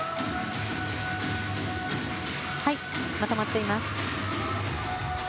まとまっています。